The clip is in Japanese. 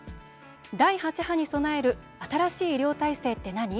第８波に備える新しい医療体制って何？